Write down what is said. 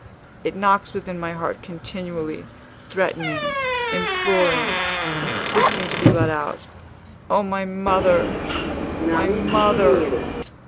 It knocks within my heart continually, threatening, imploring, insisting to be let out! O my mother! my mother!